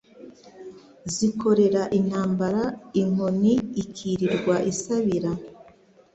Zikorera intambara Inkoni ikirirwa isabira